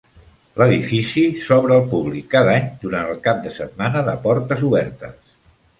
L'edifici s'obre al públic cada any durant el cap de setmana de portes obertes.